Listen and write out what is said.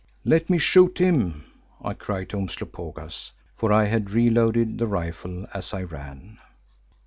"Let me shoot him," I cried to Umslopogaas, for I had reloaded the rifle as I ran.